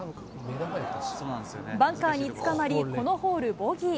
バンカーに捕まり、このホール、ボギー。